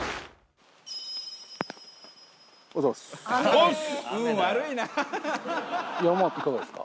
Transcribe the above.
おはようございますオス！